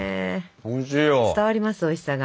伝わりますおいしさが。